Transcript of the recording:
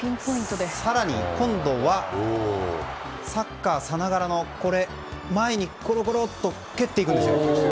更に、今度はサッカーさながらの前にコロコロっと蹴っていくんです。